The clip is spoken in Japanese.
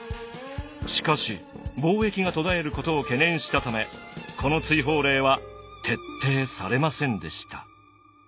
しかし貿易が途絶えることを懸念したためこの追放令は徹底されませんでした。